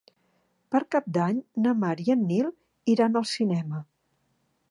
Per Cap d'Any na Mar i en Nil iran al cinema.